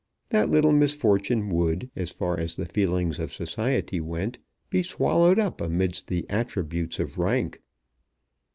That little misfortune would, as far as the feelings of society went, be swallowed up amidst the attributes of rank.